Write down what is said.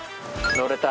乗れた。